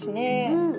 うん。